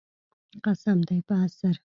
قسم دی په عصر.